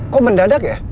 kok mendadak ya